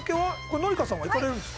紀香さんは行かれるんですか？